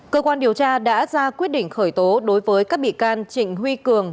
cơ quan điều tra đã ra quyết định khởi tố đối với các bị can trịnh huy cường